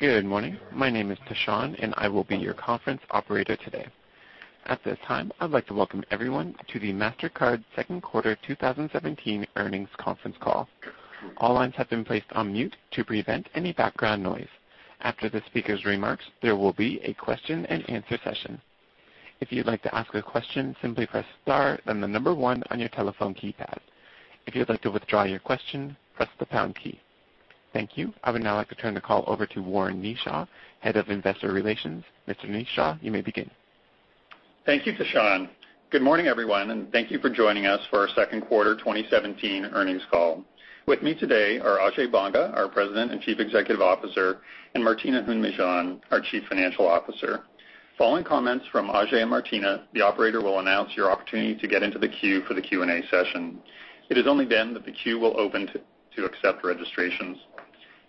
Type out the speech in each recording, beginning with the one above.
Good morning. My name is Tashaun, and I will be your conference operator today. At this time, I'd like to welcome everyone to the Mastercard Second Quarter 2017 Earnings Conference Call. All lines have been placed on mute to prevent any background noise. After the speaker's remarks, there will be a question and answer session. If you'd like to ask a question, simply press star, then the number one on your telephone keypad. If you'd like to withdraw your question, press the pound key. Thank you. I would now like to turn the call over to Warren Kneeshaw, Head of Investor Relations. Mr. Kneeshaw, you may begin. Thank you, Tashaun. Good morning, everyone, and thank you for joining us for our second quarter 2017 earnings call. With me today are Ajay Banga, our President and Chief Executive Officer, and Martina Hund-Mejean, our Chief Financial Officer. Following comments from Ajay and Martina, the operator will announce your opportunity to get into the queue for the Q&A session. It is only then that the queue will open to accept registrations.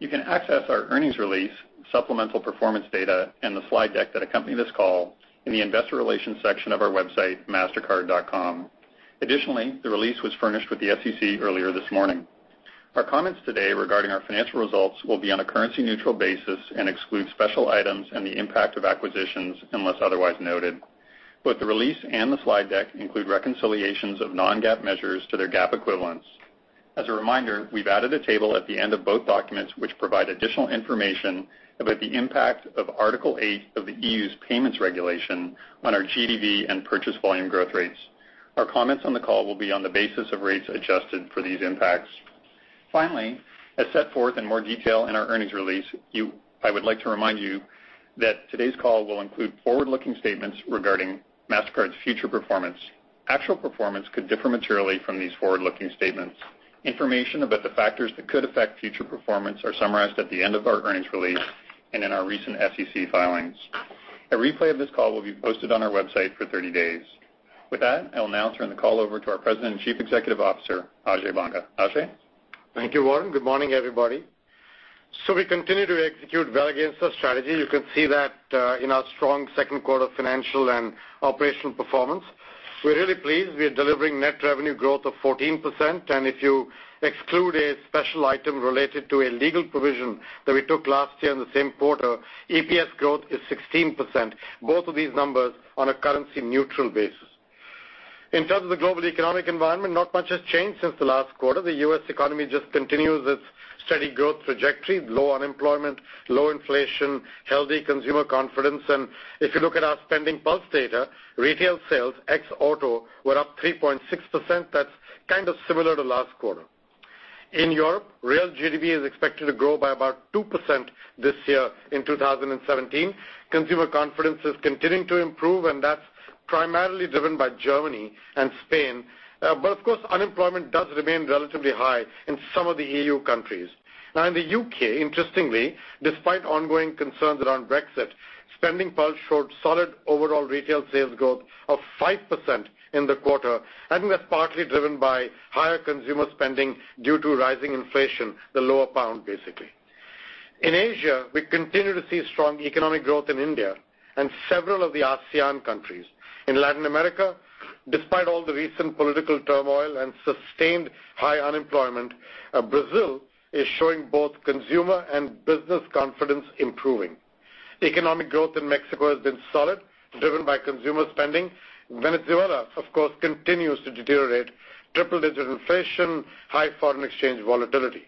You can access our earnings release, supplemental performance data, and the slide deck that accompany this call in the investor relations section of our website, mastercard.com. Additionally, the release was furnished with the SEC earlier this morning. Our comments today regarding our financial results will be on a currency-neutral basis and exclude special items and the impact of acquisitions unless otherwise noted. Both the release and the slide deck include reconciliations of non-GAAP measures to their GAAP equivalents. As a reminder, we've added a table at the end of both documents, which provide additional information about the impact of Article 8 of the EU's payments regulation on our GDV and purchase volume growth rates. Our comments on the call will be on the basis of rates adjusted for these impacts. Finally, as set forth in more detail in our earnings release, I would like to remind you that today's call will include forward-looking statements regarding Mastercard's future performance. Actual performance could differ materially from these forward-looking statements. Information about the factors that could affect future performance are summarized at the end of our earnings release and in our recent SEC filings. A replay of this call will be posted on our website for 30 days. With that, I will now turn the call over to our President and Chief Executive Officer, Ajay Banga. Ajay? Thank you, Warren. Good morning, everybody. We continue to execute well against our strategy. You can see that in our strong second quarter financial and operational performance. We're really pleased we're delivering net revenue growth of 14%, and if you exclude a special item related to a legal provision that we took last year in the same quarter, EPS growth is 16%, both of these numbers on a currency-neutral basis. In terms of the global economic environment, not much has changed since the last quarter. The U.S. economy just continues its steady growth trajectory, low unemployment, low inflation, healthy consumer confidence. If you look at our SpendingPulse data, retail sales ex auto were up 3.6%. That's kind of similar to last quarter. In Europe, real GDP is expected to grow by about 2% this year in 2017. Consumer confidence is continuing to improve. That's primarily driven by Germany and Spain. Of course, unemployment does remain relatively high in some of the EU countries. In the U.K., interestingly, despite ongoing concerns around Brexit, SpendingPulse showed solid overall retail sales growth of 5% in the quarter, and that's partly driven by higher consumer spending due to rising inflation, the lower pound, basically. In Asia, we continue to see strong economic growth in India and several of the ASEAN countries. In Latin America, despite all the recent political turmoil and sustained high unemployment, Brazil is showing both consumer and business confidence improving. Economic growth in Mexico has been solid, driven by consumer spending. Venezuela, of course, continues to deteriorate, triple-digit inflation, high foreign exchange volatility.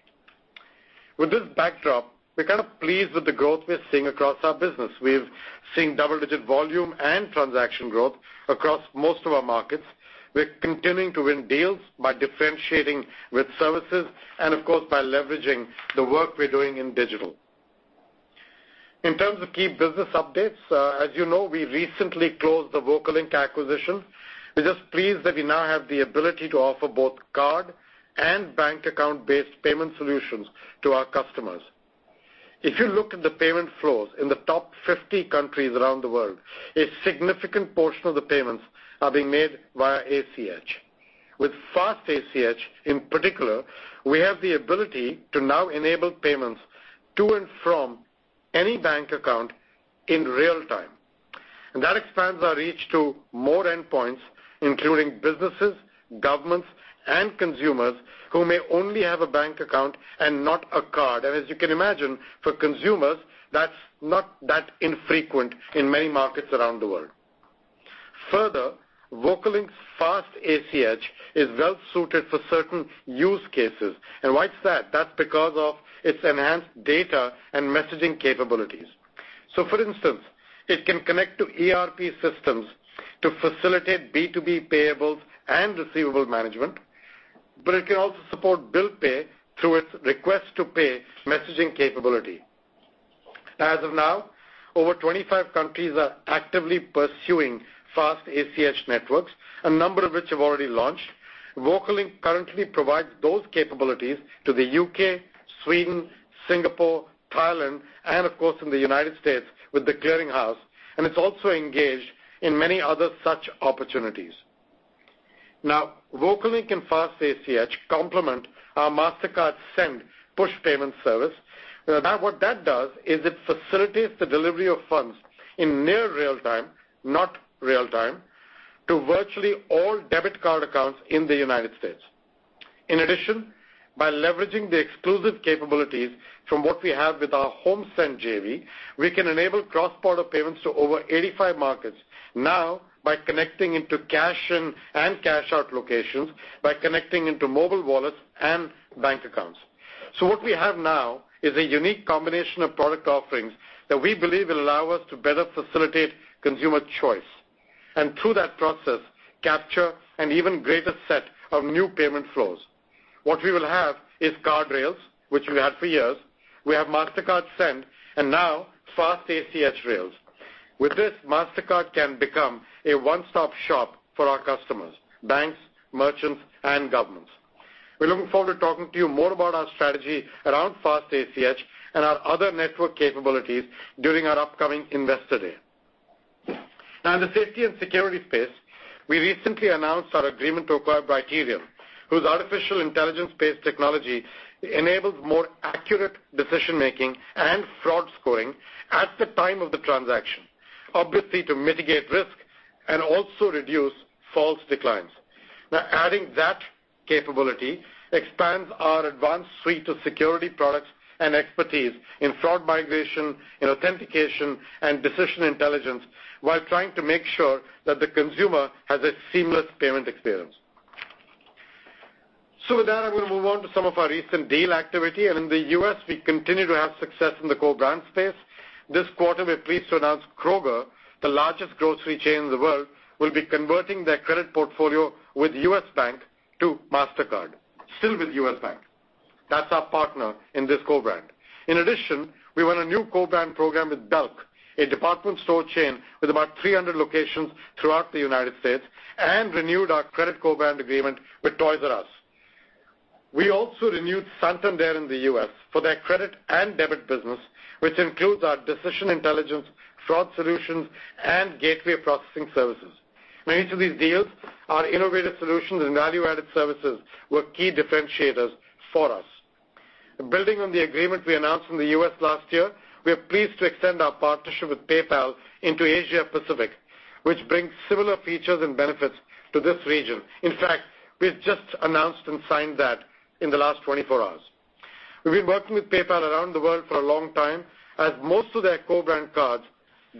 With this backdrop, we're kind of pleased with the growth we're seeing across our business. We've seen double-digit volume and transaction growth across most of our markets. We're continuing to win deals by differentiating with services and, of course, by leveraging the work we're doing in digital. In terms of key business updates, as you know, we recently closed the VocaLink acquisition. We're just pleased that we now have the ability to offer both card and bank account-based payment solutions to our customers. If you look at the payment flows in the top 50 countries around the world, a significant portion of the payments are being made via ACH. With Fast ACH in particular, we have the ability to now enable payments to and from any bank account in real-time. That expands our reach to more endpoints, including businesses, governments, and consumers who may only have a bank account and not a card. As you can imagine, for consumers, that's not that infrequent in many markets around the world. Further, VocaLink's Fast ACH is well-suited for certain use cases. Why is that? That's because of its enhanced data and messaging capabilities. For instance, it can connect to ERP systems to facilitate B2B payables and receivable management, but it can also support bill pay through its request to pay messaging capability. As of now, over 25 countries are actively pursuing Fast ACH networks, a number of which have already launched. VocaLink currently provides those capabilities to the U.K., Sweden, Singapore, Thailand, and of course, in the U.S. with The Clearing House, it's also engaged in many other such opportunities. VocaLink and Fast ACH complement our Mastercard Send push payment service. What that does is it facilitates the delivery of funds in near real-time, not real-time, to virtually all debit card accounts in the U.S. In addition, by leveraging the exclusive capabilities from what we have with our HomeSend JV, we can enable cross-border payments to over 85 markets now by connecting into cash-in and cash-out locations by connecting into mobile wallets and bank accounts. What we have now is a unique combination of product offerings that we believe will allow us to better facilitate consumer choice. Through that process, capture an even greater set of new payment flows. What we will have is card rails, which we had for years. We have Mastercard Send, now Fast ACH rails. With this, Mastercard can become a one-stop shop for our customers, banks, merchants, and governments. We're looking forward to talking to you more about our strategy around Fast ACH and our other network capabilities during our upcoming investor day. In the safety and security space, we recently announced our agreement to acquire Brighterion, whose artificial intelligence-based technology enables more accurate decision-making and fraud scoring at the time of the transaction, obviously to mitigate risk and also reduce false declines. Adding that capability expands our advanced suite of security products and expertise in fraud mitigation, in authentication, and decision intelligence while trying to make sure that the consumer has a seamless payment experience. With that, I'm going to move on to some of our recent deal activity. In the U.S., we continue to have success in the co-brand space. This quarter, we're pleased to announce Kroger, the largest grocery chain in the world, will be converting their credit portfolio with U.S. Bank to Mastercard, still with U.S. Bank. That's our partner in this co-brand. We won a new co-brand program with Belk, a department store chain with about 300 locations throughout the United States, and renewed our credit co-brand agreement with Toys R Us. We also renewed Santander in the U.S. for their credit and debit business, which includes our decision intelligence, fraud solutions, and gateway processing services. Many of these deals are innovative solutions, value-added services were key differentiators for us. Building on the agreement we announced in the U.S. last year, we are pleased to extend our partnership with PayPal into Asia Pacific, which brings similar features and benefits to this region. We've just announced and signed that in the last 24 hours. We've been working with PayPal around the world for a long time as most of their co-brand cards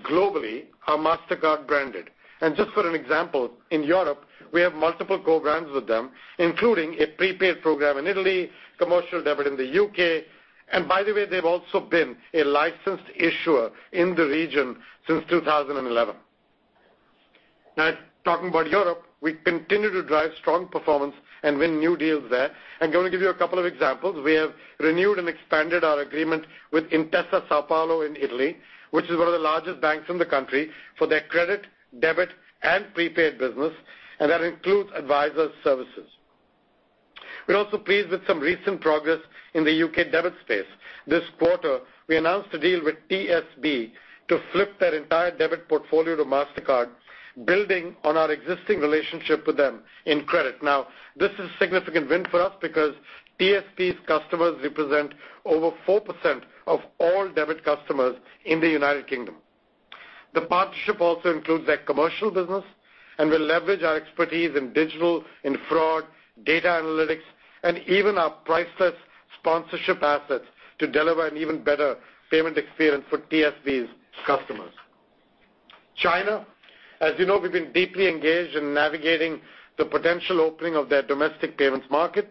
globally are Mastercard branded. Just for an example, in Europe, we have multiple co-brands with them, including a prepaid program in Italy, commercial debit in the U.K., and by the way, they've also been a licensed issuer in the region since 2011. Talking about Europe, we continue to drive strong performance and win new deals there. I'm going to give you a couple of examples. We have renewed and expanded our agreement with Intesa Sanpaolo in Italy, which is one of the largest banks in the country, for their credit, debit, and prepaid business, and that includes advisor services. We're also pleased with some recent progress in the U.K. debit space. This quarter, we announced a deal with TSB to flip their entire debit portfolio to Mastercard, building on our existing relationship with them in credit. This is a significant win for us because TSB's customers represent over 4% of all debit customers in the United Kingdom. The partnership also includes their commercial business and will leverage our expertise in digital, in fraud, data analytics, and even our priceless sponsorship assets to deliver an even better payment experience for TSB's customers. China, as you know, we've been deeply engaged in navigating the potential opening of their domestic payments market.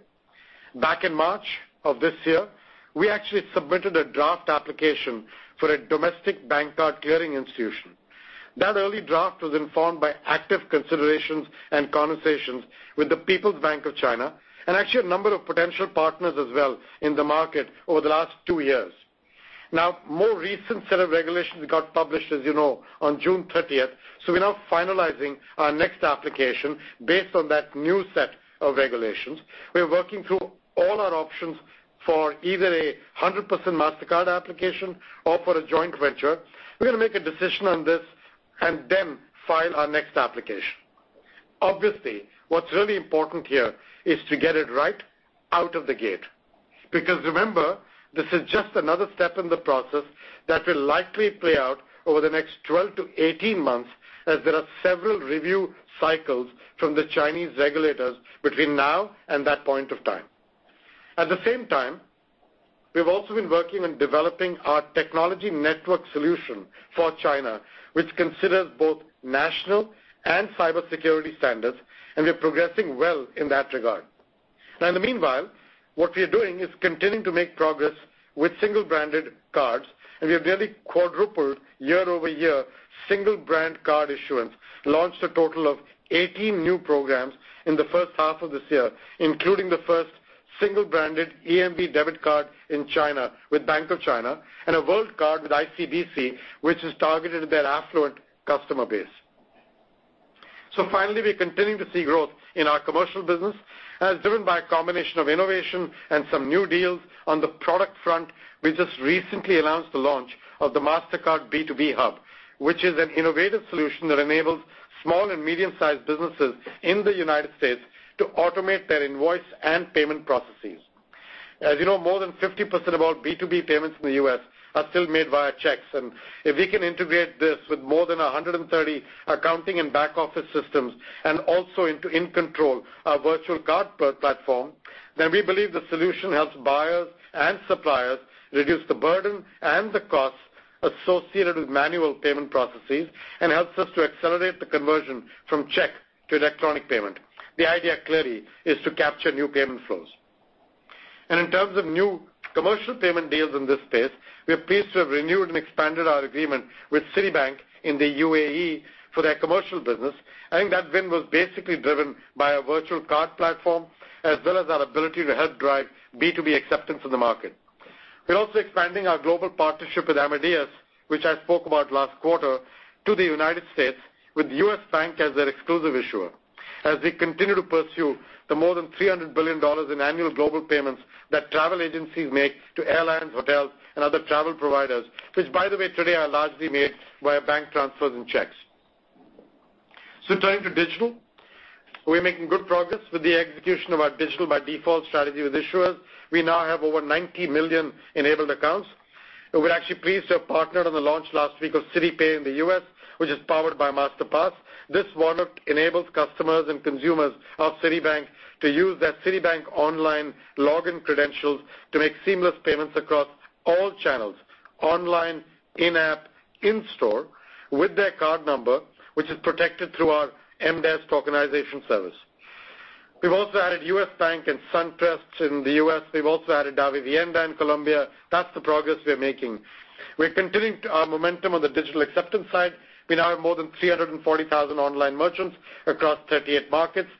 Back in March of this year, we actually submitted a draft application for a domestic bank card clearing institution. That early draft was informed by active considerations and conversations with the People's Bank of China and actually a number of potential partners as well in the market over the last two years. More recent set of regulations got published, as you know, on June 30th. We're now finalizing our next application based on that new set of regulations. We're working through all our options for either a 100% Mastercard application or for a joint venture. We're going to make a decision on this and then file our next application. Obviously, what's really important here is to get it right out of the gate, because remember, this is just another step in the process that will likely play out over the next 12 to 18 months as there are several review cycles from the Chinese regulators between now and that point of time. At the same time, we've also been working on developing our technology network solution for China, which considers both national and cybersecurity standards, and we're progressing well in that regard. In the meanwhile, what we are doing is continuing to make progress with single-branded cards, and we have nearly quadrupled year-over-year single-brand card issuance. Launched a total of 18 new programs in the first half of this year, including the first single-branded EMV debit card in China with Bank of China and a World card with ICBC, which is targeted at their affluent customer base. Finally, we're continuing to see growth in our commercial business as driven by a combination of innovation and some new deals. On the product front, we just recently announced the launch of the Mastercard B2B Hub, which is an innovative solution that enables small and medium-sized businesses in the U.S. to automate their invoice and payment processes. As you know, more than 50% of all B2B payments in the U.S. are still made via checks. If we can integrate this with more than 130 accounting and back-office systems, and also into In Control, our virtual card platform, then we believe the solution helps buyers and suppliers reduce the burden and the costs associated with manual payment processes and helps us to accelerate the conversion from check to electronic payment. The idea, clearly, is to capture new payment flows. In terms of new commercial payment deals in this space, we are pleased to have renewed and expanded our agreement with Citibank in the UAE for their commercial business. I think that win was basically driven by our virtual card platform as well as our ability to help drive B2B acceptance in the market. We're also expanding our global partnership with Amadeus, which I spoke about last quarter, to the U.S. with U.S. Bank as their exclusive issuer, as we continue to pursue the more than $300 billion in annual global payments that travel agencies make to airlines, hotels, and other travel providers, which by the way, today are largely made via bank transfers and checks. Turning to digital, we're making good progress with the execution of our digital-by-default strategy with issuers. We now have over 90 million enabled accounts. We're actually pleased to have partnered on the launch last week of Citi Pay in the U.S., which is powered by Masterpass. This product enables customers and consumers of Citibank to use their Citibank online login credentials to make seamless payments across all channels, online, in-app, in-store, with their card number, which is protected through our MDES tokenization service. We've also added U.S. Bank and SunTrust in the U.S. We've also added Davivienda in Colombia. That's the progress we're making. We're continuing our momentum on the digital acceptance side. We now have more than 340,000 online merchants across 38 markets.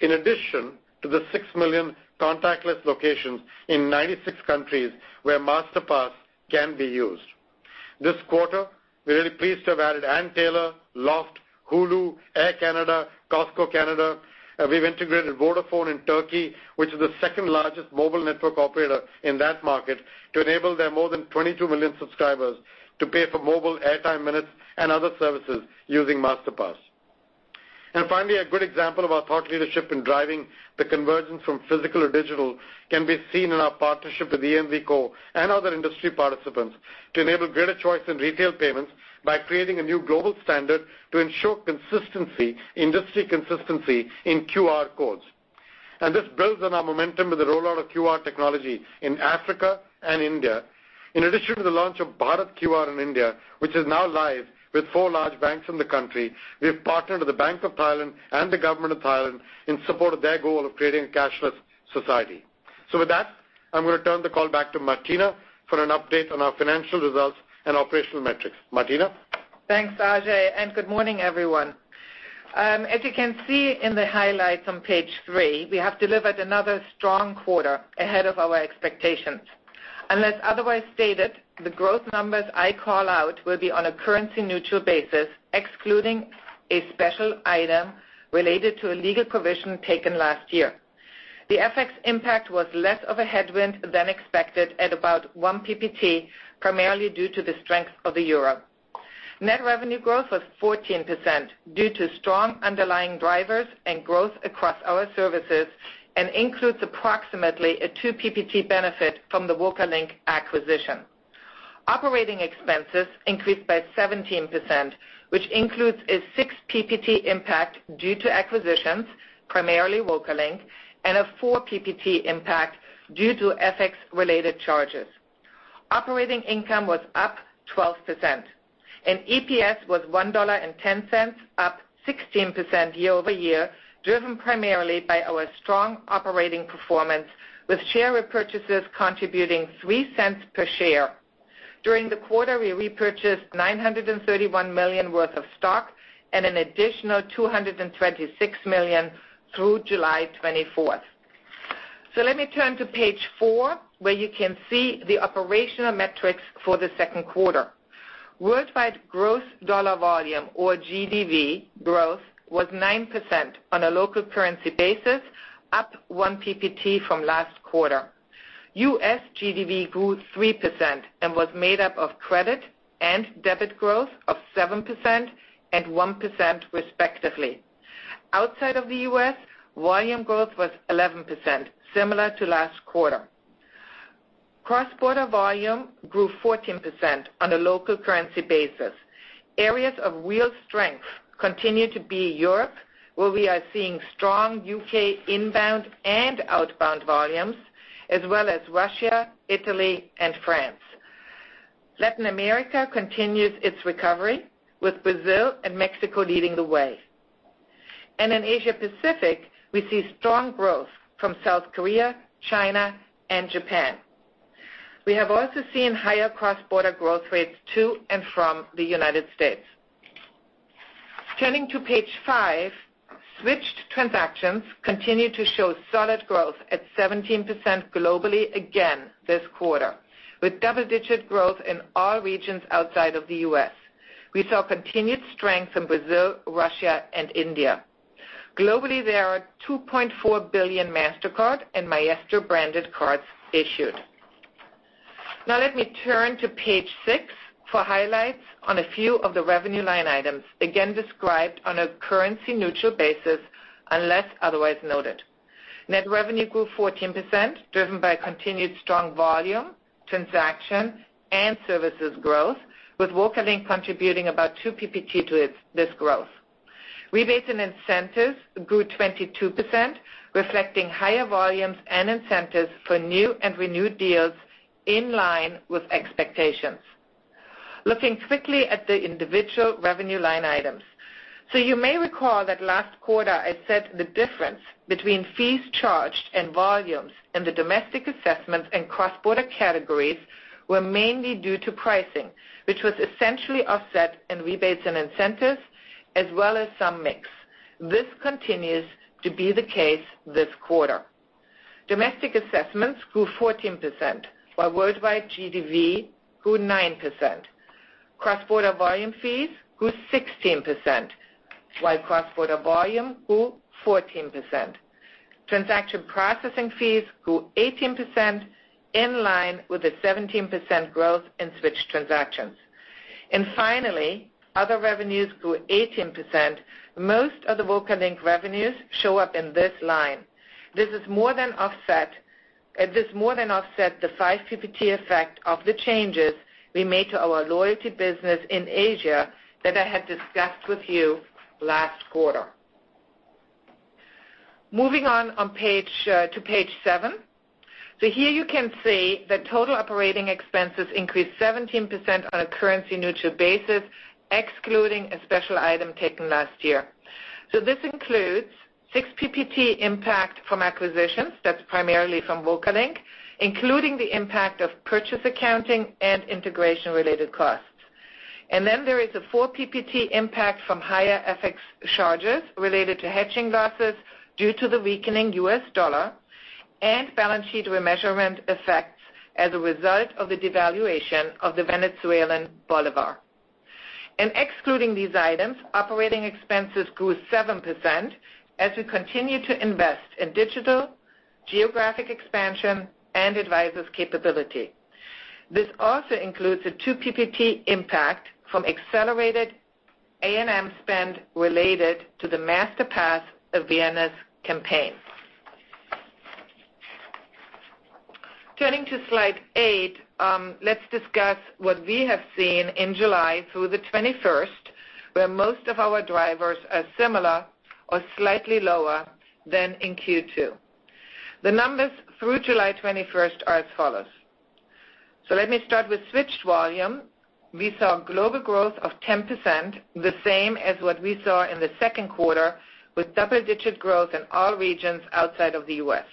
In addition to the six million contactless locations in 96 countries where Masterpass can be used. This quarter, we're really pleased to have added Ann Taylor, LOFT, Hulu, Air Canada, Costco Canada. We've integrated Vodafone in Turkey, which is the second-largest mobile network operator in that market, to enable their more than 22 million subscribers to pay for mobile airtime minutes and other services using Masterpass. Finally, a good example of our thought leadership in driving the convergence from physical to digital can be seen in our partnership with EMVCo and other industry participants to enable greater choice in retail payments by creating a new global standard to ensure industry consistency in QR codes. This builds on our momentum with the rollout of QR technology in Africa and India. In addition to the launch of Bharat QR in India, which is now live with four large banks in the country, we've partnered with the Bank of Thailand and the government of Thailand in support of their goal of creating a cashless society. With that, I'm going to turn the call back to Martina for an update on our financial results and operational metrics. Martina? Thanks, Ajay, good morning, everyone. As you can see in the highlights on page three, we have delivered another strong quarter ahead of our expectations. Unless otherwise stated, the growth numbers I call out will be on a currency-neutral basis, excluding a special item related to a legal provision taken last year. The FX impact was less of a headwind than expected at about one PPT, primarily due to the strength of the euro. Net revenue growth was 14% due to strong underlying drivers and growth across our services and includes approximately a two PPT benefit from the VocaLink acquisition. Operating expenses increased by 17%, which includes a six PPT impact due to acquisitions, primarily VocaLink, and a four PPT impact due to FX-related charges. Operating income was up 12%. EPS was $1.10, up 16% year-over-year, driven primarily by our strong operating performance with share repurchases contributing $0.03 per share. During the quarter, we repurchased $931 million worth of stock and an additional $226 million through July 24th. Let me turn to page four, where you can see the operational metrics for the second quarter. Worldwide gross dollar volume or GDV growth was 9% on a local currency basis, up one PPT from last quarter. U.S. GDV grew 3% and was made up of credit and debit growth of 7% and 1%, respectively. Outside of the U.S., volume growth was 11%, similar to last quarter. Cross-border volume grew 14% on a local currency basis. Areas of real strength continue to be Europe, where we are seeing strong U.K. inbound and outbound volumes, as well as Russia, Italy, and France. Latin America continues its recovery, with Brazil and Mexico leading the way. In Asia Pacific, we see strong growth from South Korea, China, and Japan. We have also seen higher cross-border growth rates to and from the U.S. Turning to page five, switched transactions continue to show solid growth at 17% globally again this quarter, with double-digit growth in all regions outside of the U.S. We saw continued strength in Brazil, Russia, and India. Globally, there are 2.4 billion Mastercard and Maestro-branded cards issued. Let me turn to page six for highlights on a few of the revenue line items, again described on a currency-neutral basis unless otherwise noted. Net revenue grew 14%, driven by continued strong volume, transaction, and services growth, with VocaLink contributing about two PPT to this growth. Rebates and incentives grew 22%, reflecting higher volumes and incentives for new and renewed deals in line with expectations. Looking quickly at the individual revenue line items. You may recall that last quarter I said the difference between fees charged and volumes in the domestic assessments and cross-border categories were mainly due to pricing, which was essentially offset in rebates and incentives, as well as some mix. This continues to be the case this quarter. Domestic assessments grew 14%, while worldwide GDV grew 9%. Cross-border volume fees grew 16%, while cross-border volume grew 14%. Transaction processing fees grew 18%, in line with the 17% growth in switched transactions. Finally, other revenues grew 18%. Most of the VocaLink revenues show up in this line. This more than offset the five PPT effect of the changes we made to our loyalty business in Asia that I had discussed with you last quarter. Moving on to page seven. Here you can see that total operating expenses increased 17% on a currency-neutral basis, excluding a special item taken last year. This includes six PPT impact from acquisitions, that's primarily from VocaLink, including the impact of purchase accounting and integration-related costs. Then there is a four PPT impact from higher FX charges related to hedging losses due to the weakening U.S. dollar and balance sheet remeasurement effects as a result of the devaluation of the Venezuelan bolivar. Excluding these items, operating expenses grew 7% as we continue to invest in digital, geographic expansion, and advisors' capability. This also includes a two PPT impact from accelerated A&M spend related to the Masterpass Priceless campaign. Turning to slide eight, let's discuss what we have seen in July through the 21st, where most of our drivers are similar or slightly lower than in Q2. The numbers through July 21st are as follows. Let me start with switched volume. We saw global growth of 10%, the same as what we saw in the second quarter, with double-digit growth in all regions outside of the U.S.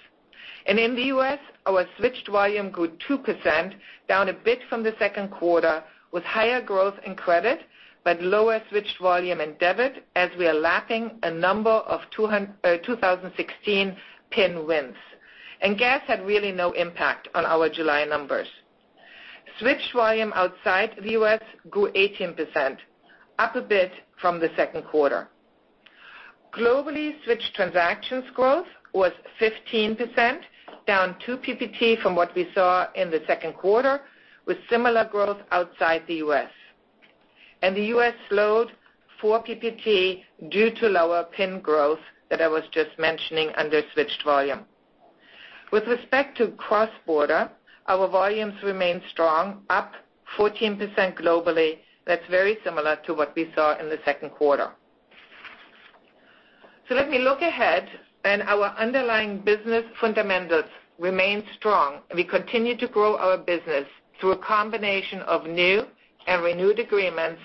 In the U.S., our switched volume grew 2%, down a bit from the second quarter, with higher growth in credit, but lower switched volume in debit as we are lacking a number of 2016 PIN wins. Gas had really no impact on our July numbers. Switched volume outside the U.S. grew 18%, up a bit from the second quarter. Globally, switched transactions growth was 15%, down two PPT from what we saw in the second quarter, with similar growth outside the U.S. The U.S. slowed four PPT due to lower PIN growth that I was just mentioning under switched volume. With respect to cross-border, our volumes remain strong, up 14% globally. That's very similar to what we saw in the second quarter. Let me look ahead, our underlying business fundamentals remain strong, we continue to grow our business through a combination of new and renewed agreements,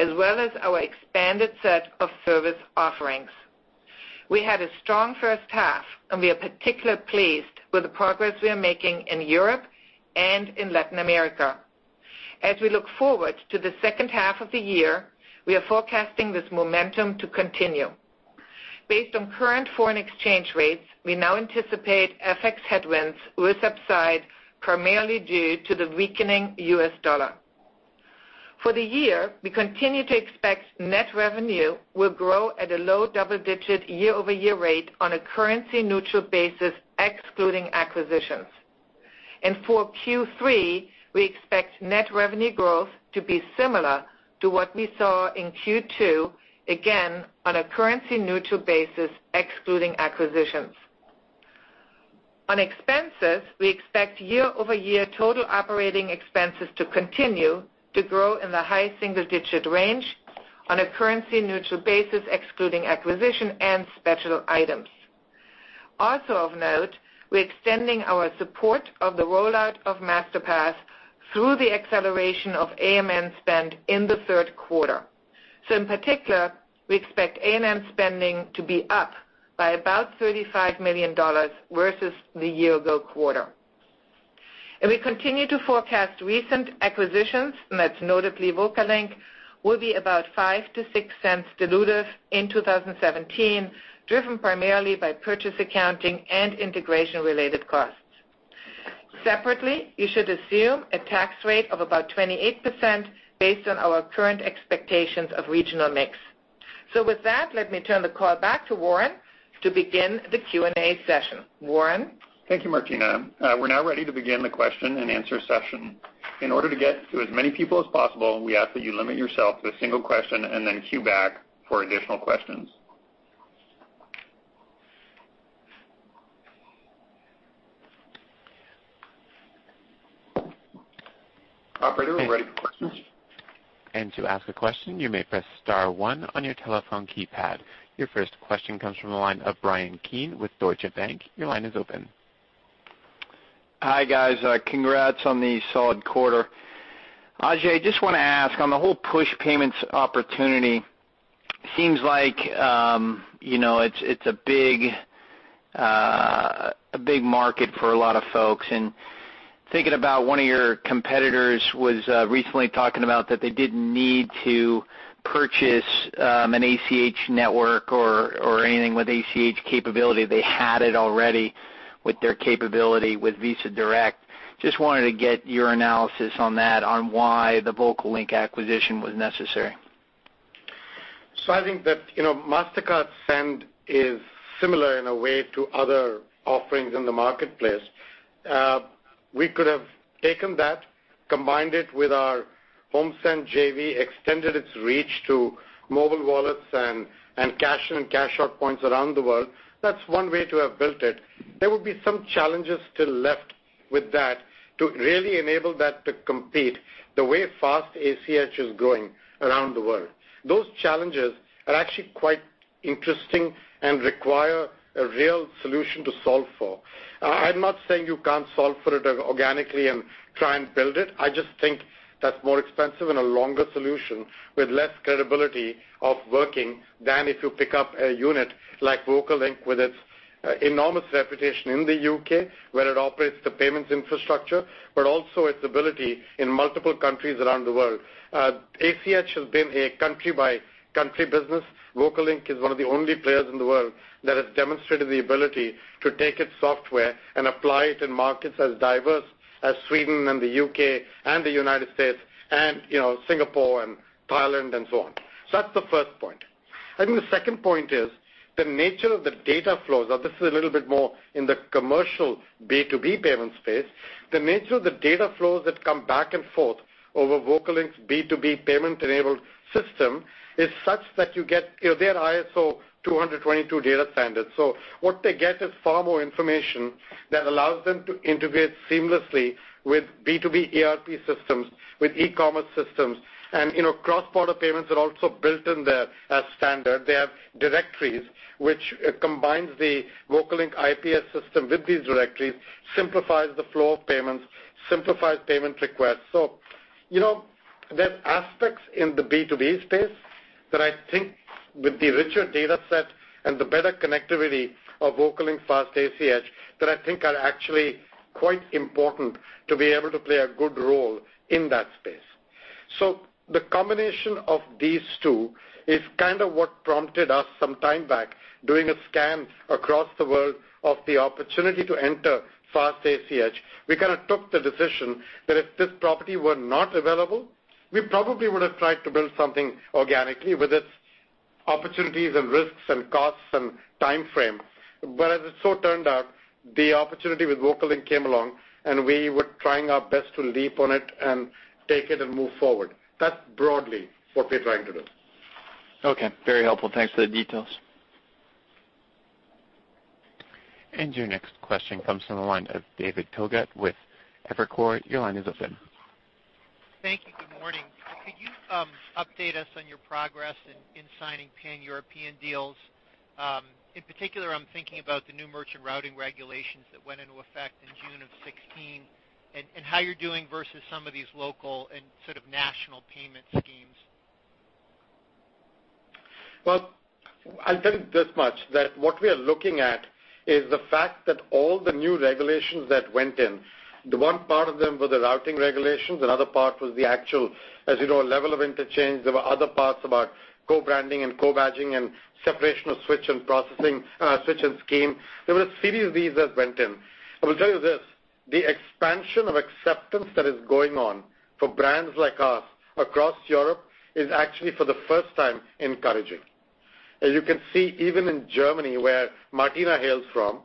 as well as our expanded set of service offerings. We had a strong first half, we are particularly pleased with the progress we are making in Europe and in Latin America. As we look forward to the second half of the year, we are forecasting this momentum to continue. Based on current foreign exchange rates, we now anticipate FX headwinds will subside primarily due to the weakening U.S. dollar. For the year, we continue to expect net revenue will grow at a low double-digit year-over-year rate on a currency-neutral basis, excluding acquisitions. For Q3, we expect net revenue growth to be similar to what we saw in Q2, again, on a currency-neutral basis excluding acquisitions. On expenses, we expect year-over-year total operating expenses to continue to grow in the high single-digit range on a currency-neutral basis, excluding acquisition and special items. Also of note, we're extending our support of the rollout of Masterpass through the acceleration of A&M spend in the third quarter. In particular, we expect A&M spending to be up by about $35 million versus the year-ago quarter. We continue to forecast recent acquisitions, that's notably VocaLink, will be about $0.05-$0.06 dilutive in 2017, driven primarily by purchase accounting and integration-related costs. Separately, you should assume a tax rate of about 28% based on our current expectations of regional mix. With that, let me turn the call back to Warren to begin the Q&A session. Warren? Thank you, Martina. We're now ready to begin the question and answer session. In order to get to as many people as possible, we ask that you limit yourself to a single question and then queue back for additional questions. Operator, we're ready for questions. To ask a question, you may press *1 on your telephone keypad. Your first question comes from the line of Bryan Keane with Deutsche Bank. Your line is open. Hi, guys. Congrats on the solid quarter. Ajay, just want to ask on the whole Push Payments opportunity, seems like it's a big market for a lot of folks. Thinking about one of your competitors was recently talking about that they didn't need to purchase an ACH network or anything with ACH capability. They had it already with their capability with Visa Direct. Just wanted to get your analysis on that, on why the VocaLink acquisition was necessary. I think that Mastercard Send is similar in a way to other offerings in the marketplace. We could have taken that, combined it with our HomeSend JV, extended its reach to mobile wallets and cash-in and cash-out points around the world. That's one way to have built it. There will be some challenges still left with that to really enable that to compete the way fast ACH is going around the world. Those challenges are actually quite interesting and require a real solution to solve for. I'm not saying you can't solve for it organically and try and build it. I just think that's more expensive and a longer solution with less credibility of working than if you pick up a unit like VocaLink with its enormous reputation in the U.K., where it operates the payments infrastructure, but also its ability in multiple countries around the world. ACH has been a country-by-country business. VocaLink is one of the only players in the world that has demonstrated the ability to take its software and apply it in markets as diverse as Sweden and the U.K. and the United States and Singapore and Thailand and so on. That's the first point. I think the second point is the nature of the data flows. This is a little bit more in the commercial B2B payment space. The nature of the data flows that come back and forth over VocaLink's B2B payment-enabled system is such that you get their ISO 20022 data standard. What they get is far more information that allows them to integrate seamlessly with B2B ERP systems, with e-commerce systems, and cross-border payments are also built in there as standard. They have directories which combines the VocaLink IPS system with these directories, simplifies the flow of payments, simplifies payment requests. There's aspects in the B2B space that I think with the richer data set and the better connectivity of VocaLink fast ACH that I think are actually quite important to be able to play a good role in that space. The combination of these two is kind of what prompted us some time back, doing a scan across the world of the opportunity to enter fast ACH. We kind of took the decision that if this property were not available, we probably would have tried to build something organically with its opportunities and risks and costs and time frame. As it so turned out, the opportunity with VocaLink came along, and we were trying our best to leap on it and take it and move forward. That's broadly what we're trying to do. Okay. Very helpful. Thanks for the details. Your next question comes from the line of David Togut with Evercore. Your line is open. Thank you. Good morning. Could you update us on your progress in signing pan-European deals? In particular, I'm thinking about the new merchant routing regulations that went into effect in June of 2016 and how you're doing versus some of these local and sort of national payment schemes. Well, I'll tell you this much, that what we are looking at is the fact that all the new regulations that went in, the one part of them were the routing regulations, another part was the actual level of interchange. There were other parts about co-branding and co-badging and separation of switch and scheme. There were a series of these that went in. I will tell you this, the expansion of acceptance that is going on for brands like us across Europe is actually for the first time encouraging. As you can see, even in Germany, where Martina hails from,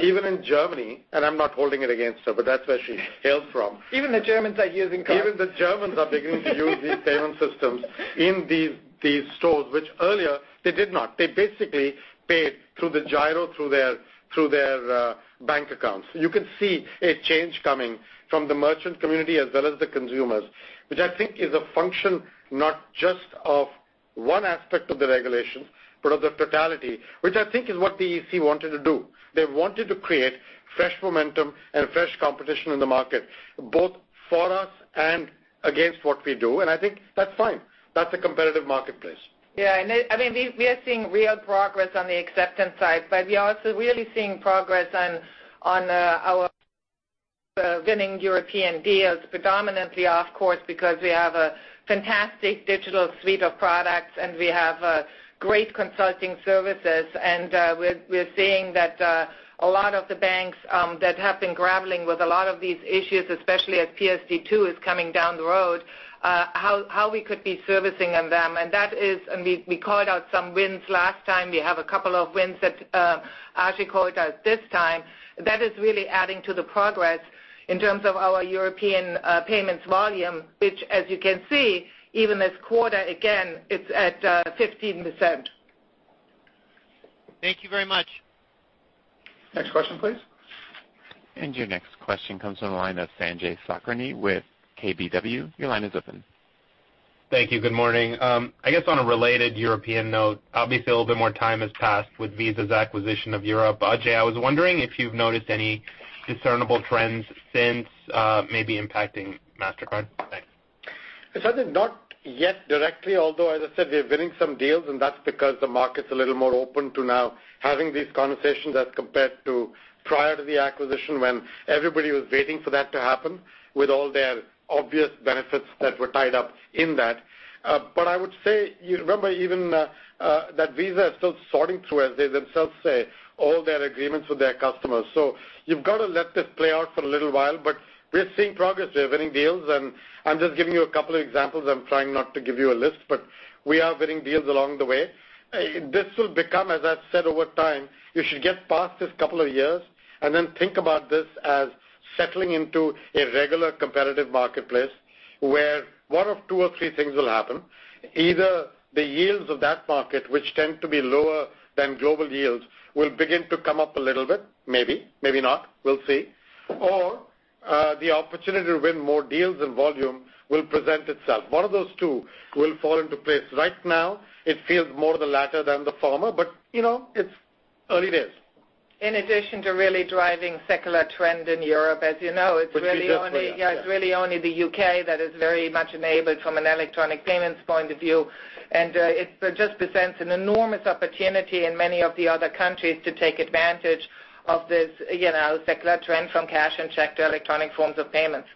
even in Germany, and I'm not holding it against her, but that's where she hails from. Even the Germans are using cards. Even the Germans are beginning to use these payment systems in these stores, which earlier they did not. They basically paid through the giro through their bank accounts. You can see a change coming from the merchant community as well as the consumers, which I think is a function not just of one aspect of the regulation, but of the totality, which I think is what the EC wanted to do. They wanted to create fresh momentum and fresh competition in the market, both for us and against what we do, and I think that's fine. That's a competitive marketplace. Yeah, we are seeing real progress on the acceptance side. We are also really seeing progress on our winning European deals, predominantly, of course, because we have a fantastic digital suite of products, and we have great consulting services. We're seeing that a lot of the banks that have been grappling with a lot of these issues, especially as PSD2 is coming down the road how we could be servicing on them. We called out some wins last time. We have a couple of wins that Ajay called out this time. That is really adding to the progress in terms of our European payments volume, which as you can see, even this quarter, again, it's at 15%. Thank you very much. Next question, please. Your next question comes from the line of Sanjay Sakhrani with KBW. Your line is open. Thank you. Good morning. I guess on a related European note, obviously a little bit more time has passed with Visa's acquisition of Europe. Ajay, I was wondering if you've noticed any discernible trends since maybe impacting Mastercard. Thanks. Sanjay, not yet directly. Although, as I said, we are winning some deals and that's because the market's a little more open to now having these conversations as compared to prior to the acquisition when everybody was waiting for that to happen with all their obvious benefits that were tied up in that. I would say, you remember even that Visa is still sorting through, as they themselves say, all their agreements with their customers. You've got to let this play out for a little while, but we are seeing progress. We are winning deals, I'm just giving you a couple of examples. I'm trying not to give you a list, but we are winning deals along the way. This will become, as I said, over time. You should get past this couple of years and then think about this as settling into a regular competitive marketplace where one of two or three things will happen. Either the yields of that market, which tend to be lower than global yields, will begin to come up a little bit. Maybe, maybe not. We'll see. Or the opportunity to win more deals and volume will present itself. One of those two will fall into place. Right now, it feels more the latter than the former, it's early days. In addition to really driving secular trend in Europe, as you know. Which we just It's really only the U.K. that is very much enabled from an electronic payments point of view. It just presents an enormous opportunity in many of the other countries to take advantage of this secular trend from cash and check to electronic forms of payments.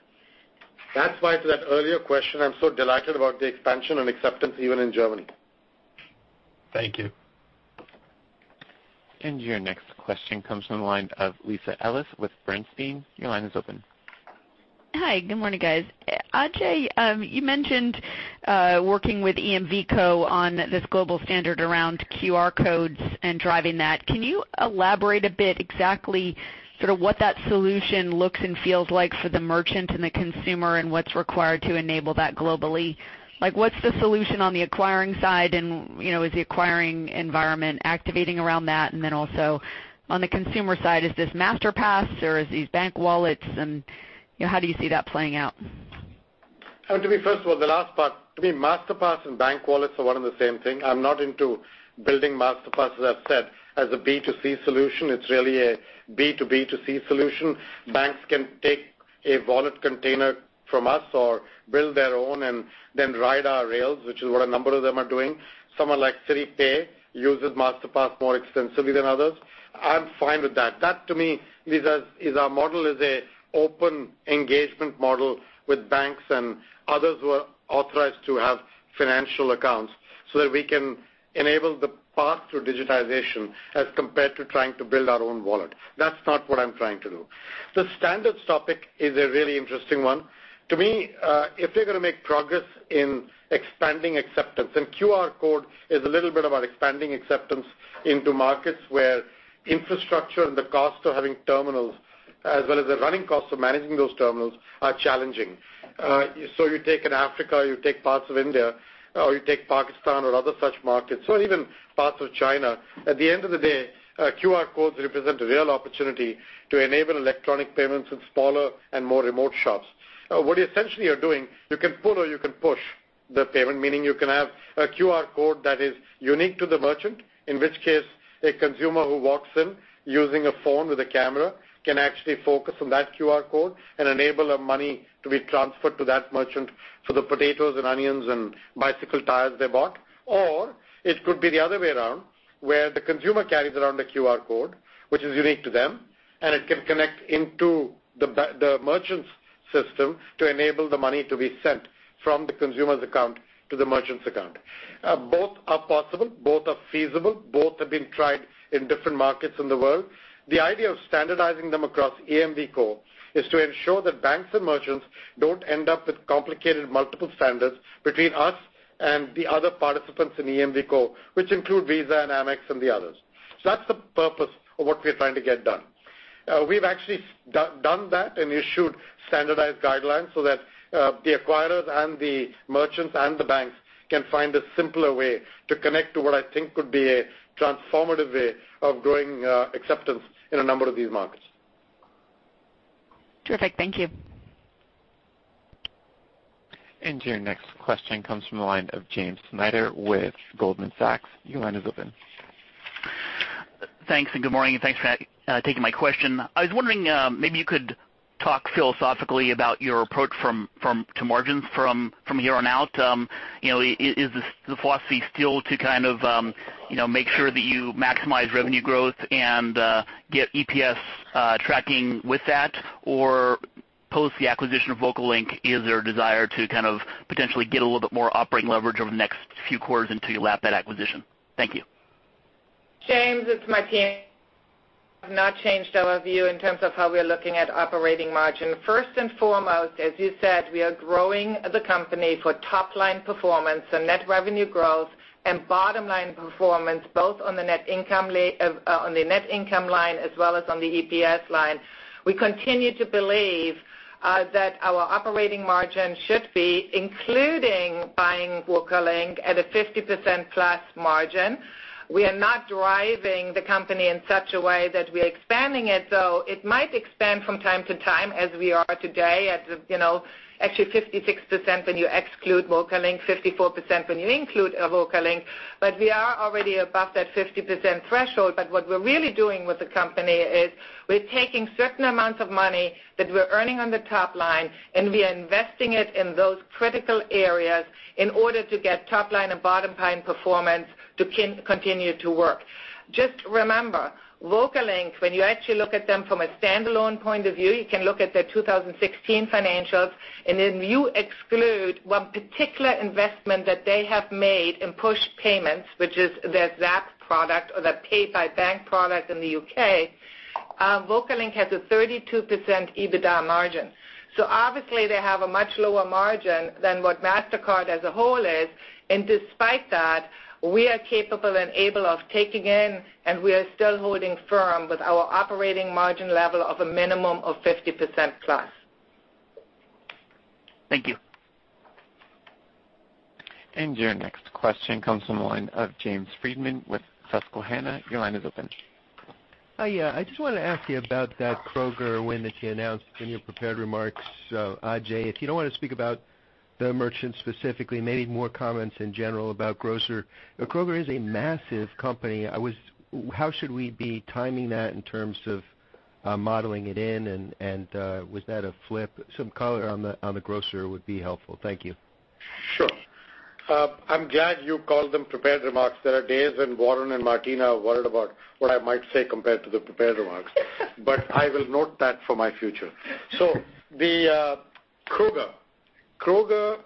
That's why to that earlier question, I'm so delighted about the expansion and acceptance even in Germany. Thank you. Your next question comes from the line of Lisa Ellis with Bernstein. Your line is open. Hi, good morning, guys. Ajay, you mentioned working with EMVCo on this global standard around QR codes and driving that. Can you elaborate a bit exactly sort of what that solution looks and feels like for the merchant and the consumer, and what's required to enable that globally? What's the solution on the acquiring side and is the acquiring environment activating around that? Then also on the consumer side, is this Masterpass or is these bank wallets and how do you see that playing out? To me, first of all, the last part, to me, Masterpass and bank wallets are one and the same thing. I'm not into building Masterpass, as I've said, as a B2C solution. It's really a B2B2C solution. Banks can take a wallet container from us or build their own and then ride our rails, which is what a number of them are doing. Some are like Citi Pay uses Masterpass more extensively than others. I'm fine with that. That to me is our model is a open engagement model with banks and others who are authorized to have financial accounts so that we can enable the path to digitization as compared to trying to build our own wallet. That's not what I'm trying to do. The standards topic is a really interesting one. To me, if you're going to make progress in expanding acceptance, QR code is a little bit about expanding acceptance into markets where infrastructure and the cost of having terminals, as well as the running cost of managing those terminals, are challenging. You take in Africa, you take parts of India, or you take Pakistan or other such markets, or even parts of China. At the end of the day, QR codes represent a real opportunity to enable electronic payments in smaller and more remote shops. What essentially you're doing, you can pull or you can push the payment, meaning you can have a QR code that is unique to the merchant, in which case a consumer who walks in using a phone with a camera can actually focus on that QR code and enable a money to be transferred to that merchant for the potatoes and onions and bicycle tires they bought. It could be the other way around, where the consumer carries around a QR code, which is unique to them, and it can connect into the merchant's system to enable the money to be sent from the consumer's account to the merchant's account. Both are possible. Both are feasible. Both have been tried in different markets in the world. The idea of standardizing them across EMVCo is to ensure that banks and merchants don't end up with complicated multiple standards between us and the other participants in EMVCo, which include Visa and Amex and the others. That's the purpose of what we're trying to get done. We've actually done that and issued standardized guidelines so that the acquirers and the merchants and the banks can find a simpler way to connect to what I think could be a transformative way of growing acceptance in a number of these markets. Terrific. Thank you. Your next question comes from the line of James Schneider with Goldman Sachs. Your line is open. Thanks, good morning, and thanks for taking my question. I was wondering maybe you could talk philosophically about your approach to margins from here on out. Is the philosophy still to kind of make sure that you maximize revenue growth and get EPS tracking with that? Post the acquisition of VocaLink, is there a desire to kind of potentially get a little bit more operating leverage over the next few quarters until you lap that acquisition? Thank you. James, it's Martina. We have not changed our view in terms of how we are looking at operating margin. First and foremost, as you said, we are growing the company for top-line performance and net revenue growth and bottom-line performance, both on the net income line as well as on the EPS line. We continue to believe that our operating margin should be including buying VocaLink at a 50%-plus margin. We are not driving the company in such a way that we are expanding it, though it might expand from time to time as we are today at actually 56% when you exclude VocaLink, 54% when you include VocaLink. We are already above that 50% threshold. What we're really doing with the company is we're taking certain amounts of money that we're earning on the top line, and we are investing it in those critical areas in order to get top-line and bottom-line performance to continue to work. Just remember, VocaLink, when you actually look at them from a standalone point of view, you can look at their 2016 financials, and then you exclude one particular investment that they have made in push payments, which is their Zapp product or their pay-by-bank product in the U.K. VocaLink has a 32% EBITDA margin. Obviously they have a much lower margin than what Mastercard as a whole is. Despite that, we are capable and able of taking in, and we are still holding firm with our operating margin level of a minimum of 50%-plus. Thank you. Your next question comes from the line of James Faucette with Susquehanna. Your line is open. Hi. I just wanted to ask you about that Kroger win that you announced in your prepared remarks, Ajay. If you don't want to speak about the merchant specifically, maybe more comments in general about grocer. Kroger is a massive company. How should we be timing that in terms of modeling it in, and was that a flip? Some color on the grocer would be helpful. Thank you. Sure. I'm glad you called them prepared remarks. There are days when Warren and Martina are worried about what I might say compared to the prepared remarks. I will note that for my future. Kroger. Kroger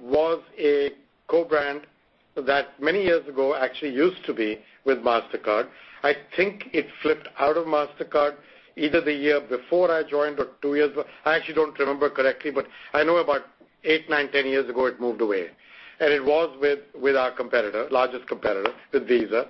was a co-brand that many years ago actually used to be with Mastercard. I think it flipped out of Mastercard either the year before I joined or two years. I actually don't remember correctly, but I know about eight, nine, 10 years ago, it moved away. It was with our largest competitor, with Visa.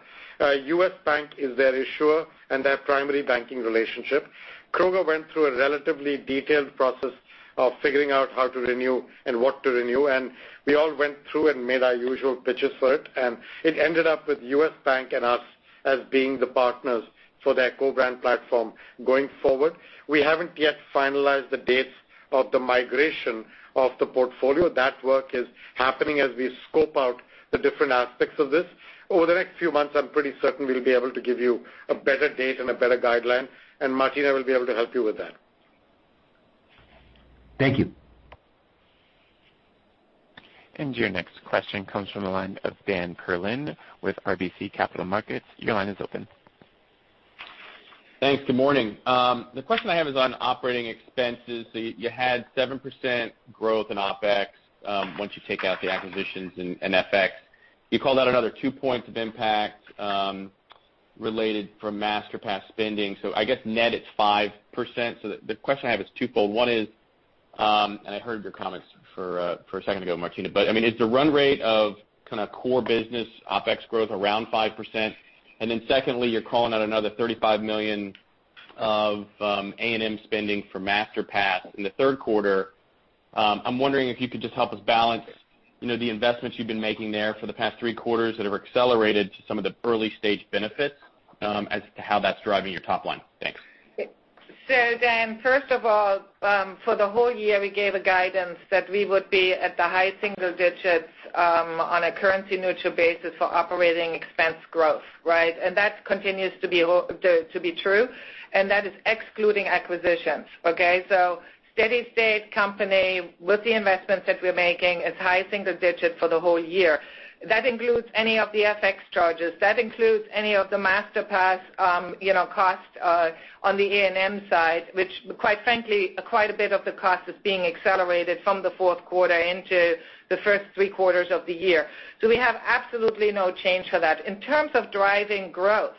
U.S. Bank is their issuer and their primary banking relationship. Kroger went through a relatively detailed process of figuring out how to renew and what to renew, and we all went through and made our usual pitches for it, and it ended up with U.S. Bank and us as being the partners for their co-brand platform going forward. We haven't yet finalized the dates of the migration of the portfolio. That work is happening as we scope out the different aspects of this. Over the next few months, I'm pretty certain we'll be able to give you a better date and a better guideline. Martina will be able to help you with that. Thank you. Your next question comes from the line of Dan Perlin with RBC Capital Markets. Your line is open. Thanks. Good morning. The question I have is on operating expenses. You had 7% growth in OpEx once you take out the acquisitions and FX. You called out another 2 points of impact related from Masterpass spending. I guess net it's 5%. The question I have is twofold. One is, I heard your comments for a second ago, Martina, but I mean, is the run rate of core business OpEx growth around 5%? Secondly, you're calling out another $35 million of A&M spending for Masterpass in the third quarter. I'm wondering if you could just help us balance the investments you've been making there for the past three quarters that have accelerated to some of the early-stage benefits as to how that's driving your top line. Thanks. Dan, first of all, for the whole year, we gave a guidance that we would be at the high single digits on a currency-neutral basis for operating expense growth. Right? That continues to be true, and that is excluding acquisitions. Okay? Steady state company with the investments that we're making is high single digit for the whole year. That includes any of the FX charges. That includes any of the Masterpass cost on the A&M side, which quite frankly, quite a bit of the cost is being accelerated from the fourth quarter into the first three quarters of the year. We have absolutely no change for that. In terms of driving growth,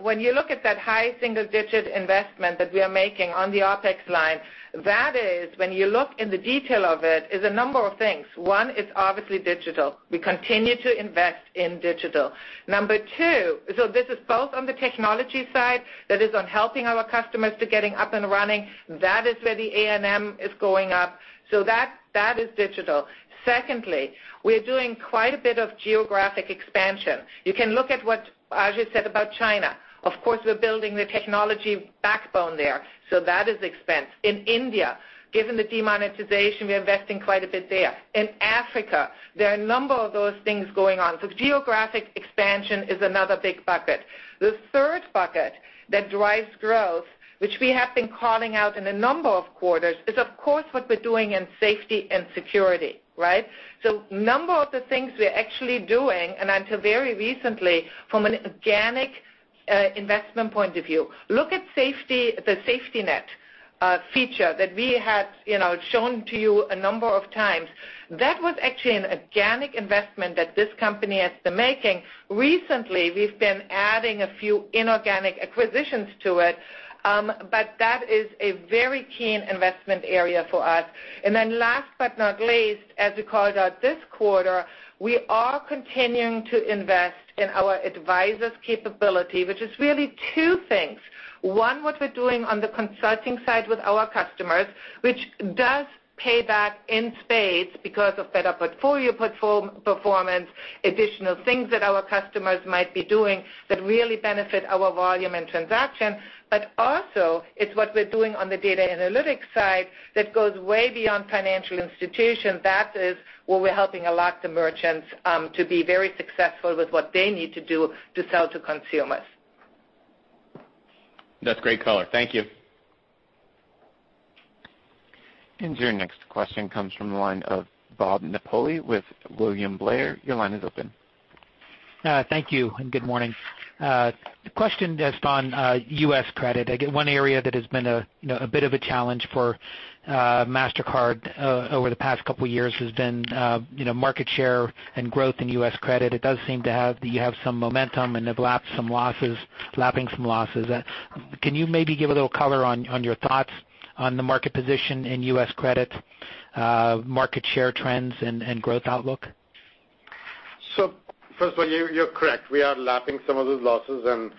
when you look at that high single-digit investment that we are making on the OpEx line, that is when you look in the detail of it, is a number of things. One is obviously digital. We continue to invest in digital. Number two, this is both on the technology side, that is on helping our customers to getting up and running. That is where the A&M is going up. That is digital. Secondly, we are doing quite a bit of geographic expansion. You can look at what Ajay said about China. Of course, we're building the technology backbone there. That is expense. In India, given the demonetization, we are investing quite a bit there. In Africa, there are a number of those things going on. Geographic expansion is another big bucket. The third bucket that drives growth, which we have been calling out in a number of quarters, is of course what we're doing in safety and security. Right? Number of the things we are actually doing, and until very recently, from an organic investment point of view. Look at the safety net feature that we had shown to you a number of times. That was actually an organic investment that this company has been making. Recently, we've been adding a few inorganic acquisitions to it. That is a very keen investment area for us. Last but not least, as we called out this quarter, we are continuing to invest in our Advisors' capability, which is really two things. One, what we're doing on the consulting side with our customers, which does pay back in spades because of better portfolio performance, additional things that our customers might be doing that really benefit our volume and transaction. Also, it's what we're doing on the data analytics side that goes way beyond financial institutions. That is where we're helping a lot of the merchants to be very successful with what they need to do to sell to consumers. That's great color. Thank you. Your next question comes from the line of Bob Napoli with William Blair. Your line is open. Thank you, and good morning. Question just on U.S. credit. I get one area that has been a bit of a challenge for Mastercard over the past couple of years has been market share and growth in U.S. credit. It does seem that you have some momentum and have lapping some losses. Can you maybe give a little color on your thoughts on the market position in U.S. credit, market share trends, and growth outlook? First of all, you're correct. We are lapping some of those losses, and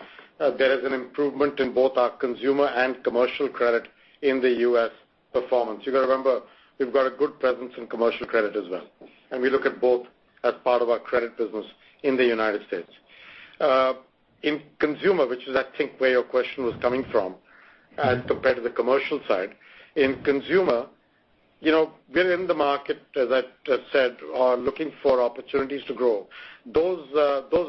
there is an improvement in both our consumer and commercial credit in the U.S. performance. You've got to remember, we've got a good presence in commercial credit as well, and we look at both as part of our credit business in the United States. In consumer, which is, I think, where your question was coming from as compared to the commercial side. In consumer, we're in the market, as I said, are looking for opportunities to grow. Those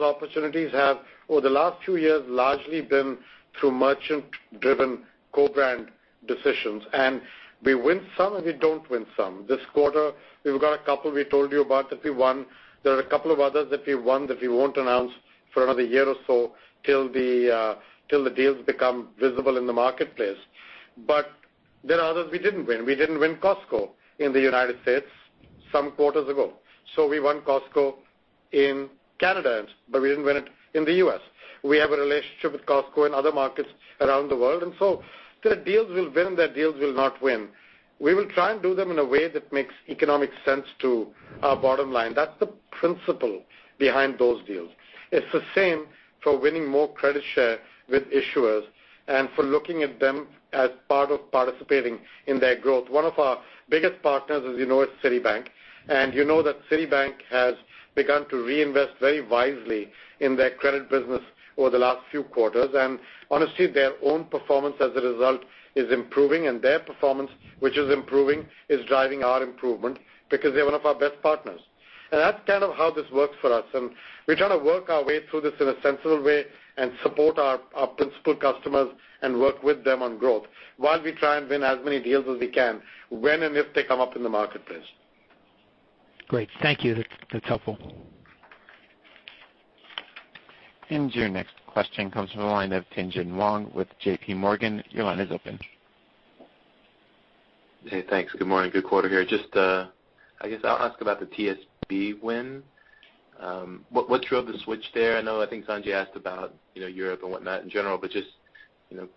opportunities have, over the last few years, largely been through merchant-driven co-brand decisions, and we win some, and we don't win some. This quarter, we've got a couple we told you about that we won. There are a couple of others that we won that we won't announce for another year or so till the deals become visible in the marketplace. There are others we didn't win. We didn't win Costco in the United States some quarters ago. We won Costco in Canada, but we didn't win it in the U.S. We have a relationship with Costco in other markets around the world. There are deals we'll win, there are deals we'll not win. We will try and do them in a way that makes economic sense to our bottom line. That's the principle behind those deals. It's the same for winning more credit share with issuers and for looking at them as part of participating in their growth. One of our biggest partners, as you know, is Citibank. You know that Citibank has begun to reinvest very wisely in their credit business over the last few quarters. Honestly, their own performance as a result is improving, and their performance, which is improving, is driving our improvement because they're one of our best partners. That's kind of how this works for us. We're trying to work our way through this in a sensible way and support our principal customers and work with them on growth while we try and win as many deals as we can when and if they come up in the marketplace. Great. Thank you. That's helpful. Your next question comes from the line of Tien-tsin Huang with J.P. Morgan. Your line is open. Thanks. Good morning. Good quarter here. Just, I guess I'll ask about the TSB win. What drove the switch there? I know, I think Sanjay asked about Europe and whatnot in general, but just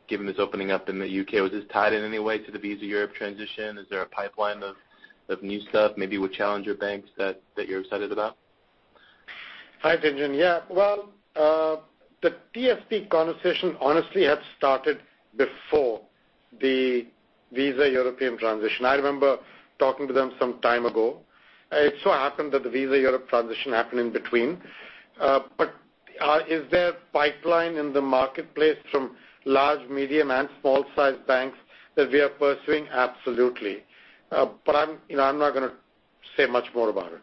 given this opening up in the U.K., was this tied in any way to the Visa Europe transition? Is there a pipeline of new stuff, maybe with challenger banks that you're excited about? Hi, Tien-tsin. Yeah. Well, the TSB conversation honestly had started before the Visa Europe transition. I remember talking to them some time ago. It so happened that the Visa Europe transition happened in between. Is there pipeline in the marketplace from large, medium, and small-sized banks that we are pursuing? Absolutely. I'm not going to say much more about it.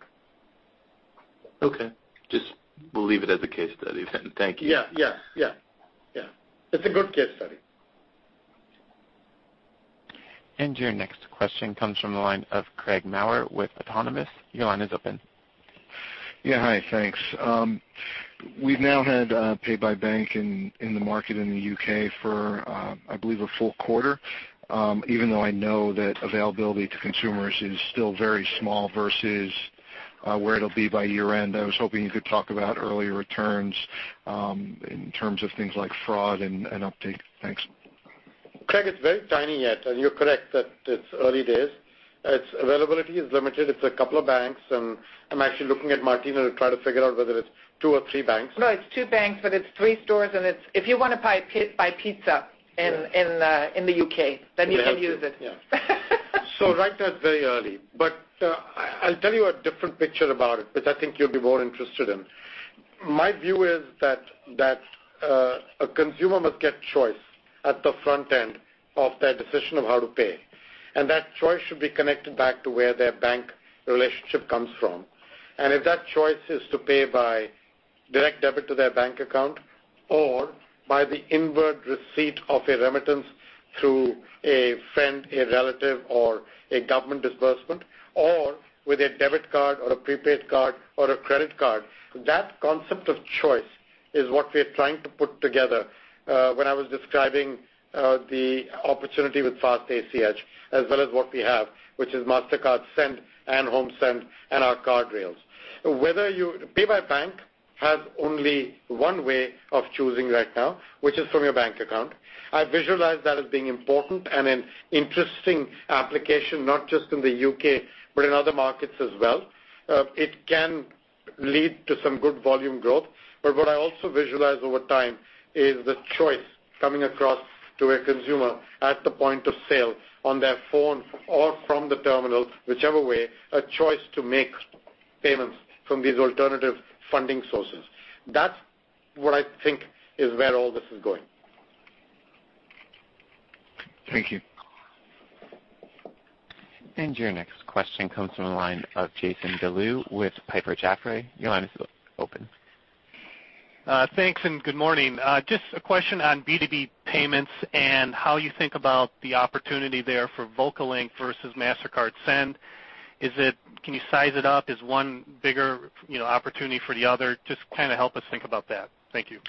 Okay. Just we'll leave it as a case study then. Thank you. Yeah. It's a good case study. Your next question comes from the line of Craig Maurer with Autonomous. Your line is open. Yeah. Hi, thanks. We've now had pay by bank in the market in the U.K. for, I believe, a full quarter. Even though I know that availability to consumers is still very small versus where it'll be by year-end. I was hoping you could talk about early returns in terms of things like fraud and an update. Thanks. Craig, it's very tiny yet. You're correct that it's early days. Its availability is limited. It's a couple of banks. I'm actually looking at Martina to try to figure out whether it's two or three banks. It's two banks, it's three stores. Yeah in the U.K. They have to You can use it. Right now, it's very early. I'll tell you a different picture about it, which I think you'll be more interested in. My view is that a consumer must get choice at the front end of their decision of how to pay. That choice should be connected back to where their bank relationship comes from. If that choice is to pay by direct debit to their bank account or by the inward receipt of a remittance, through a friend, a relative, or a government disbursement, or with a debit card or a prepaid card or a credit card. That concept of choice is what we're trying to put together when I was describing the opportunity with Fast ACH as well as what we have, which is Mastercard Send and HomeSend and our card rails. Pay by bank has only one way of choosing right now, which is from your bank account. I visualize that as being important and an interesting application, not just in the U.K. but in other markets as well. It can lead to some good volume growth. What I also visualize over time is the choice coming across to a consumer at the point of sale on their phone or from the terminal, whichever way, a choice to make payments from these alternative funding sources. That's what I think is where all this is going. Thank you. Your next question comes from the line of Jason Deleeuw with Piper Jaffray. Your line is open. Thanks. Good morning. Just a question on B2B payments and how you think about the opportunity there for VocaLink versus Mastercard Send. Can you size it up? Is one bigger opportunity for the other? Just help us think about that. Thank you.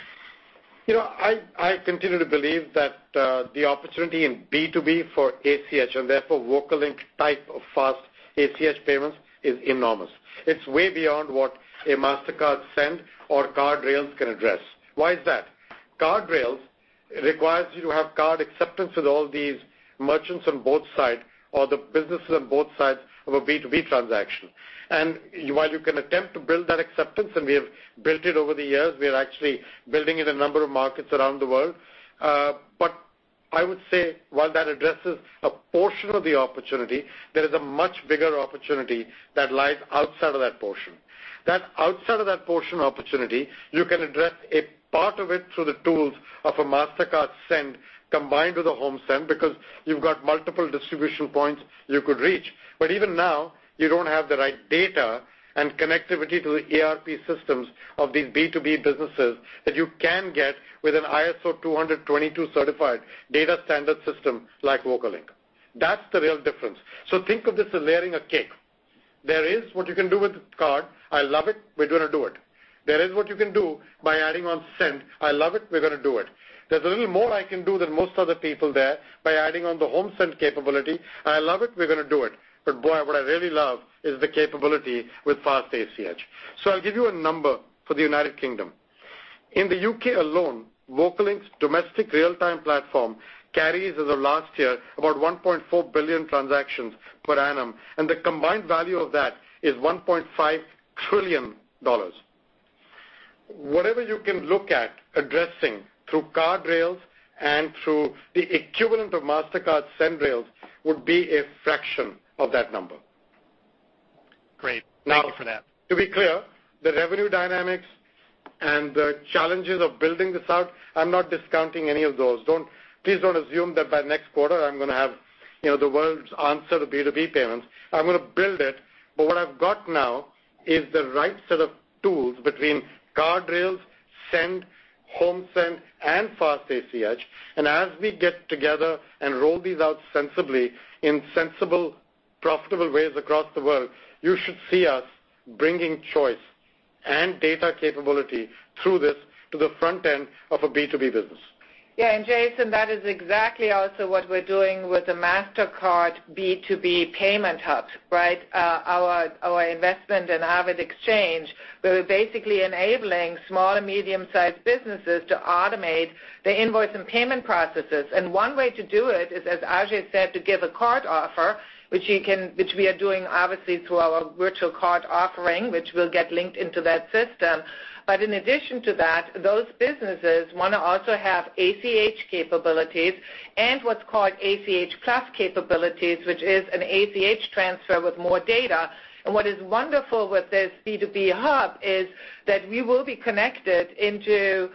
I continue to believe that the opportunity in B2B for ACH, and therefore VocaLink type of Fast ACH payments, is enormous. It's way beyond what a Mastercard Send or card rails can address. Why is that? Card rails requires you to have card acceptance with all these merchants on both sides or the businesses on both sides of a B2B transaction. While you can attempt to build that acceptance, and we have built it over the years, we are actually building it in a number of markets around the world. I would say while that addresses a portion of the opportunity, there is a much bigger opportunity that lies outside of that portion. That outside of that portion opportunity, you can address a part of it through the tools of a Mastercard Send combined with a HomeSend because you've got multiple distribution points you could reach. Even now, you don't have the right data and connectivity to the ERP systems of these B2B businesses that you can get with an ISO 20022 certified data standard system like VocaLink. That's the real difference. Think of this as layering a cake. There is what you can do with the card. I love it. We're going to do it. There is what you can do by adding on Send. I love it. We're going to do it. There's a little more I can do than most other people there by adding on the HomeSend capability. I love it. We're going to do it. Boy, what I really love is the capability with Fast ACH. I'll give you a number for the United Kingdom. In the U.K. alone, VocaLink's domestic real-time platform carries, as of last year, about 1.4 billion transactions per annum, and the combined value of that is $1.5 trillion. Whatever you can look at addressing through card rails and through the equivalent of Mastercard Send rails would be a fraction of that number. Great. Thank you for that. To be clear, the revenue dynamics and the challenges of building this out, I'm not discounting any of those. Please don't assume that by next quarter I'm going to have the world's answer to B2B payments. I'm going to build it, but what I've got now is the right set of tools between card rails, Send, HomeSend, and Fast ACH. As we get together and roll these out sensibly in sensible, profitable ways across the world, you should see us bringing choice and data capability through this to the front end of a B2B business. Jason, that is exactly also what we're doing with the Mastercard B2B Payment Hub. Our investment in AvidXchange, where we're basically enabling small and medium-sized businesses to automate the invoice and payment processes. One way to do it is, as Ajay said, to give a card offer, which we are doing obviously through our virtual card offering, which will get linked into that system. But in addition to that, those businesses want to also have ACH capabilities and what's called ACH plus capabilities, which is an ACH transfer with more data. What is wonderful with this B2B hub is that we will be connected into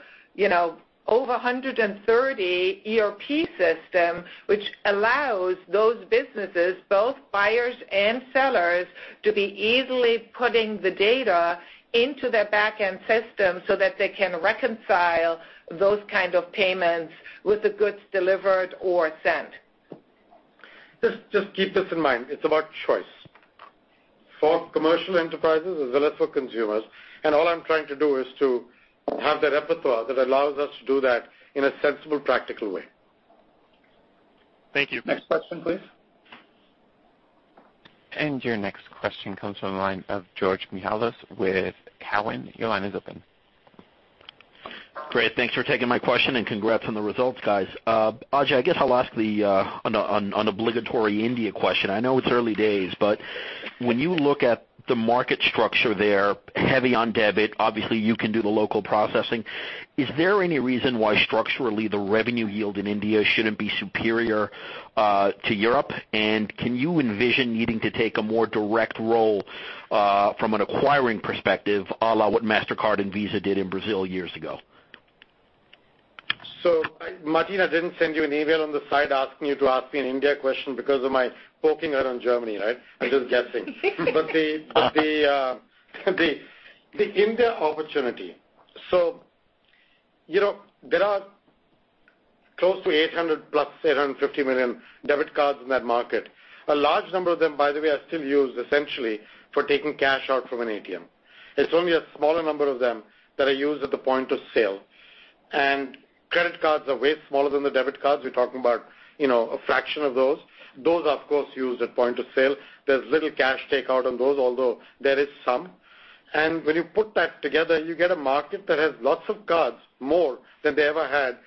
over 130 ERP system, which allows those businesses, both buyers and sellers, to be easily putting the data into their back-end system so that they can reconcile those kind of payments with the goods delivered or sent. Just keep this in mind. It's about choice for commercial enterprises as well as for consumers, and all I'm trying to do is to have that repertoire that allows us to do that in a sensible, practical way. Thank you. Next question, please. Your next question comes from the line of Georgios Mihalos with Cowen. Your line is open. Great. Thanks for taking my question and congrats on the results, guys. Ajay, I guess I'll ask the unobligatory India question. I know it's early days, but when you look at the market structure there, heavy on debit, obviously you can do the local processing. Is there any reason why structurally the revenue yield in India shouldn't be superior to Europe? Can you envision needing to take a more direct role from an acquiring perspective a la what Mastercard and Visa did in Brazil years ago? Martina didn't send you an email on the side asking you to ask me an India question because of my poking her on Germany, right? I'm just guessing. The India opportunity. There are close to 800-850 million debit cards in that market. A large number of them, by the way, are still used essentially for taking cash out from an ATM. It's only a smaller number of them that are used at the point of sale. Credit cards are way smaller than the debit cards. We're talking about a fraction of those. Those, of course, are used at point of sale. There's little cash takeout on those, although there is some. When you put that together, you get a market that has lots of cards, more than they ever had,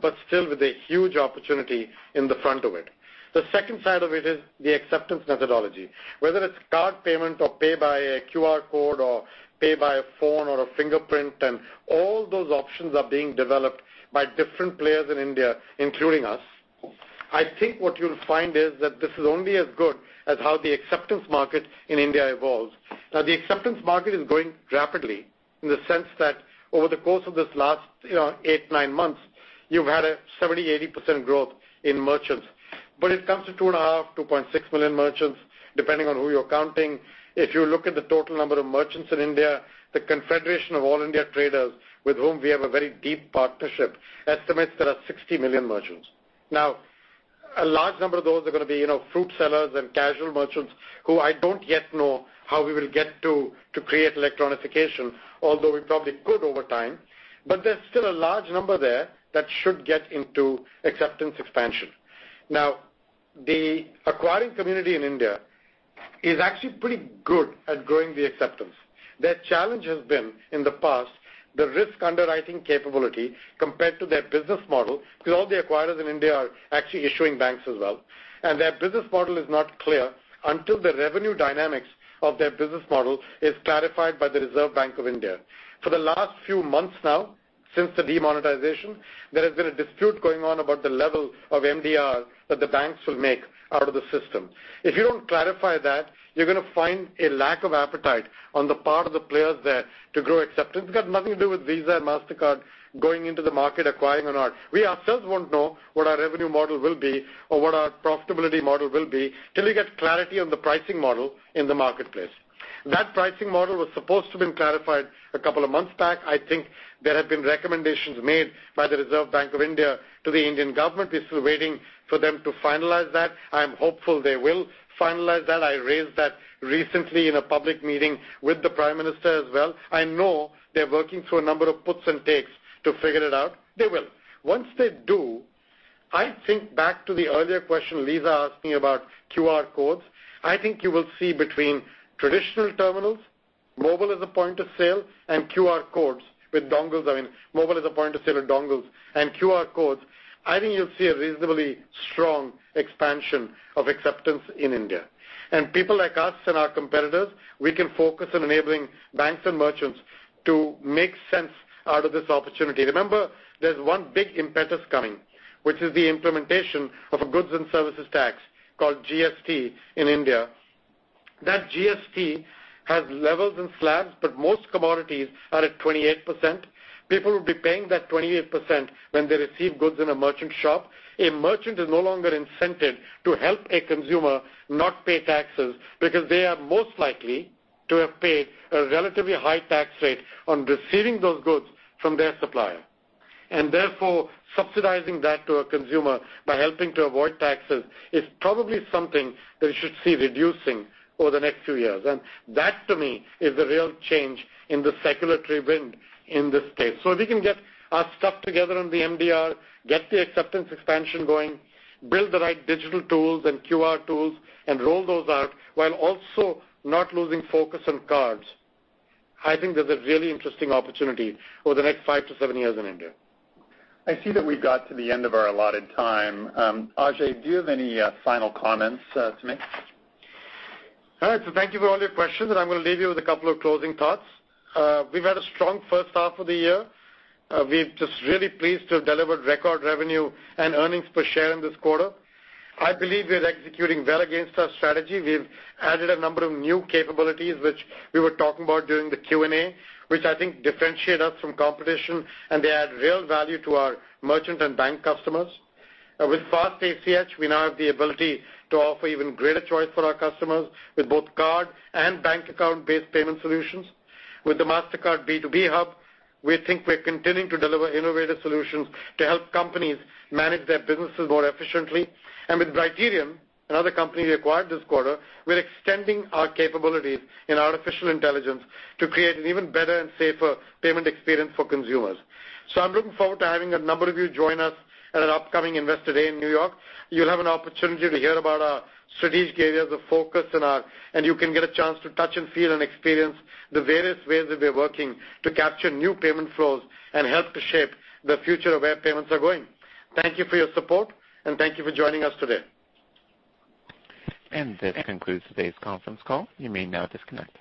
but still with a huge opportunity in the front of it. The second side of it is the acceptance methodology. Whether it's card payment or pay by a QR code or pay by a phone or a fingerprint, all those options are being developed by different players in India, including us. I think what you'll find is that this is only as good as how the acceptance market in India evolves. Now, the acceptance market is growing rapidly in the sense that over the course of this last 8, 9 months, you've had a 70%-80% growth in merchants. It comes to 2.5-2.6 million merchants, depending on who you're counting. If you look at the total number of merchants in India, the Confederation of All India Traders, with whom we have a very deep partnership, estimates there are 60 million merchants. A large number of those are going to be fruit sellers and casual merchants who I don't yet know how we will get to create electronification, although we probably could over time. There's still a large number there that should get into acceptance expansion. The acquiring community in India is actually pretty good at growing the acceptance. Their challenge has been, in the past, the risk underwriting capability compared to their business model, because all the acquirers in India are actually issuing banks as well. Their business model is not clear until the revenue dynamics of their business model is clarified by the Reserve Bank of India. For the last few months now, since the demonetization, there has been a dispute going on about the level of MDR that the banks will make out of the system. If you don't clarify that, you're going to find a lack of appetite on the part of the players there to grow acceptance. It's got nothing to do with Visa and Mastercard going into the market acquiring or not. We ourselves won't know what our revenue model will be or what our profitability model will be till we get clarity on the pricing model in the marketplace. That pricing model was supposed to have been clarified a couple of months back. I think there have been recommendations made by the Reserve Bank of India to the Indian government. We're still waiting for them to finalize that. I'm hopeful they will finalize that. I raised that recently in a public meeting with the Prime Minister as well. I know they're working through a number of puts and takes to figure it out. They will. Once they do, I think back to the earlier question Lisa asked me about QR codes. I think you will see between traditional terminals, mobile as a point of sale, and QR codes with dongles, I mean, mobile as a point of sale with dongles and QR codes. I think you'll see a reasonably strong expansion of acceptance in India. People like us and our competitors, we can focus on enabling banks and merchants to make sense out of this opportunity. Remember, there's one big impetus coming, which is the implementation of a Goods and Services Tax called GST in India. That GST has levels and slabs, but most commodities are at 28%. People will be paying that 28% when they receive goods in a merchant shop. A merchant is no longer incented to help a consumer not pay taxes because they are most likely to have paid a relatively high tax rate on receiving those goods from their supplier. Therefore, subsidizing that to a consumer by helping to avoid taxes is probably something that we should see reducing over the next few years. That, to me, is the real change in the circulatory wind in this case. If we can get our stuff together on the MDR, get the acceptance expansion going, build the right digital tools and QR tools, and roll those out while also not losing focus on cards, I think there's a really interesting opportunity over the next five to seven years in India. I see that we've got to the end of our allotted time. Ajay, do you have any final comments to make? All right, thank you for all your questions, and I'm going to leave you with a couple of closing thoughts. We've had a strong first half of the year. We're just really pleased to have delivered record revenue and earnings per share in this quarter. I believe we're executing well against our strategy. We've added a number of new capabilities, which we were talking about during the Q&A, which I think differentiate us from competition, and they add real value to our merchant and bank customers. With Fast ACH, we now have the ability to offer even greater choice for our customers with both card and bank account-based payment solutions. With the Mastercard B2B Hub, we think we're continuing to deliver innovative solutions to help companies manage their businesses more efficiently. With Brighterion, another company we acquired this quarter, we're extending our capabilities in artificial intelligence to create an even better and safer payment experience for consumers. I'm looking forward to having a number of you join us at an upcoming Investor Day in New York. You'll have an opportunity to hear about our strategic areas of focus, and you can get a chance to touch and feel and experience the various ways that we're working to capture new payment flows and help to shape the future of where payments are going. Thank you for your support, and thank you for joining us today. This concludes today's conference call. You may now disconnect.